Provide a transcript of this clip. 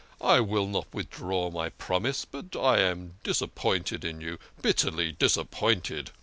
I will not withdraw my promise, but I am disappointed in you bitterly disap pointed.